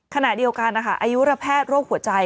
ขณะเดียวกันนะคะอายุระแพทย์โรคหัวใจ